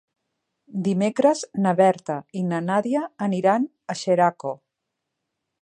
Dimecres na Berta i na Nàdia aniran a Xeraco.